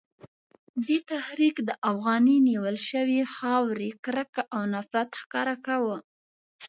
دې تحریک د افغاني نیول شوې خاورې کرکه او نفرت ښکاره کاوه.